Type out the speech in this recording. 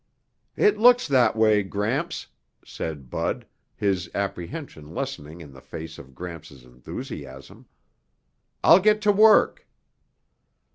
"It looks that way, Gramps," said Bud, his apprehension lessening in the face of Gramps' enthusiasm. "I'll get to work."